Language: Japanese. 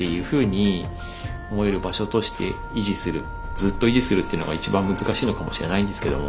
ずっと維持するっていうのが一番難しいのかもしれないんですけども。